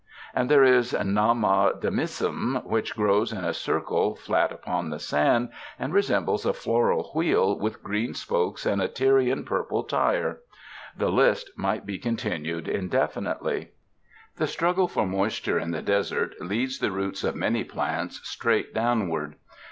And there is nama demissum, which grows in a circle flat upon the sand and re sembles a floral wheel with green spokes and a Tyrian purple tire. The list might be continued in definitely. The struggle for moisture in the desert leads the roots of many plants straight downward.